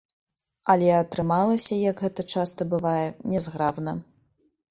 Але атрымалася, як гэта часта бывае, нязграбна.